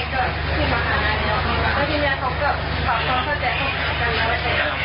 ก็เห็นแม่ปรับความเข้าใจกับคนร้ายแล้ว